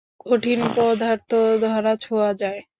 কঠিন পদার্থ ধরা-ছোঁয়া যায়।